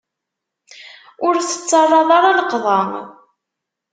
Ur tettaraḍ ara leqḍa.